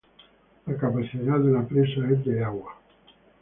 La capacidad de la presa es de de agua.